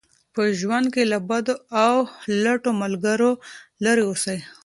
په ژوند کې له بدو او لټو ملګرو لرې اوسئ.